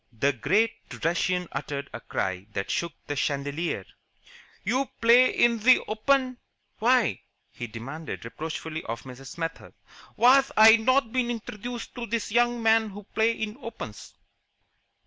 The great Russian uttered a cry that shook the chandelier. "You play in ze Open? Why," he demanded reproachfully of Mrs. Smethurst, "was I not been introducted to this young man who play in opens?"